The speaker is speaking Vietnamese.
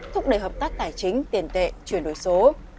thúc đẩy hợp tác tài chính tiền tệ chuyển đổi số